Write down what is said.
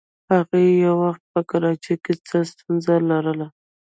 هغې یو وخت په کراچۍ کې څه ستونزه لرله.